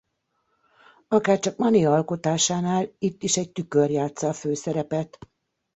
Akárcsak Manet alkotásánál itt is egy tükör játssza a főszerepet.